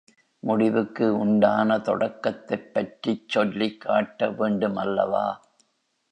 முடிவுக்கு உண்டான தொடக்கத்தைப் பற்றிச் சொல்லிக்காட்ட வேண்டுமல்லவா?